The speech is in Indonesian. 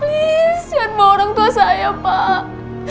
please jangan bawa orang tua saya pak